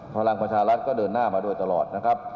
พลังประชารัฐก็เดินหน้ามาโดยตลอดนะครับ